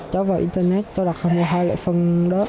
cho vào internet cho đặt hai loại phân đó